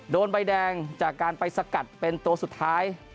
โดนใบแดงจากการไปสกัดเป็นตัวสุดท้าย